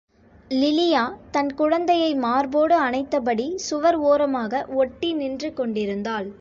லிலியா தன் குழந்தையை மார்போடு அனைத்தபடி சுவர் ஓரமாக ஒட்டி நின்று கொண்டிருந்தாள்.